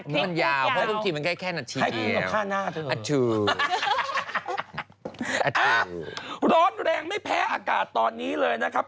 มันมันยาวเพราะบางทีมันแค่นาทีเดียวอ่ะถืออ่ะร้อนแรงไม่แพ้อากาศตอนนี้เลยนะครับ